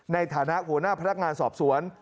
ในฐานะหัวหน้าพนักงานสอบสวน